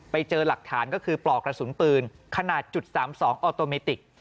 ไปเจอหลักฐานก็คือปลอกกระสุนปืนขนาด๓๒ออโตเมติก